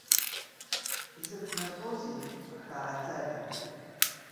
Изыхнарҟьозеи, ахааӡага!